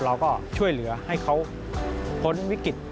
เราก็ช่วยเหลือให้เขาพ้นวิกฤต